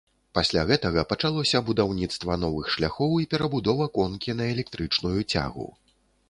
Пасля гэтага пачалося будаўніцтва новых шляхоў і перабудова конкі на электрычную цягу.